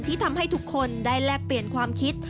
ที่ทำให้ทุกคนได้แลกเปลี่ยนความคิด